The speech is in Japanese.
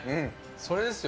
それですよ。